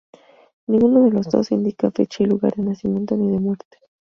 Ninguno de los dos indican fecha y lugar de nacimiento ni de muerte.